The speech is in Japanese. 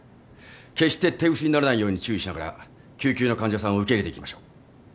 決して手薄にならないように注意しながら救急の患者さんを受け入れていきましょう。